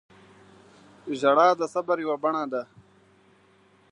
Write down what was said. • ژړا د صبر یوه بڼه ده.